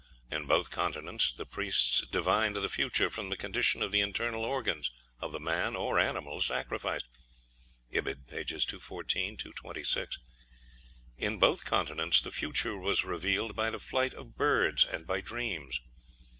In both continents the priests divined the future from the condition of the internal organs of the man or animal sacrificed. (Ibid., pp. 214, 226.) In both continents the future was revealed by the flight of birds and by dreams.